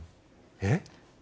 えっ？